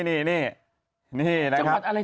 จังหวัดอะไรเถอะ